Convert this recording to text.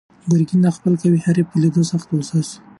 ګرګین د خپل قوي حریف په لیدو سخت په غوسه و.